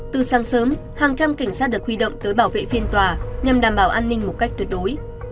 từ sáng sớm hàng trăm cảnh sát được huy động tới bảo vệ phiên tòa nhằm đảm bảo an ninh một cách tuyệt đối